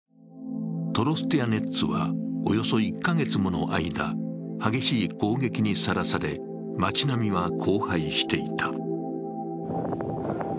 トロスティアネッツはおよそ１カ月もの間激しい攻撃にさらされ、町並みは荒廃していた。